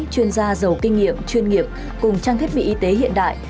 chuyên gia giàu kinh nghiệm chuyên nghiệp cùng trang thiết bị y tế hiện đại